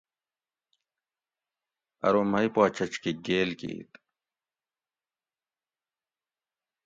ارو مئ پا چچ کہ گیل کیت